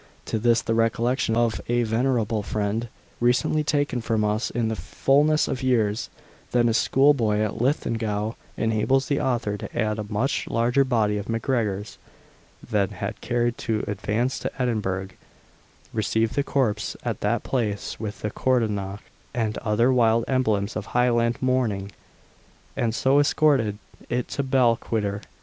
To this the recollection of a venerable friend, recently taken from us in the fulness of years, then a schoolboy at Linlithgow, enables the author to add, that a much larger body of MacGregors than had cared to advance to Edinburgh received the corpse at that place with the coronach and other wild emblems of Highland mourning, and so escorted it to Balquhidder.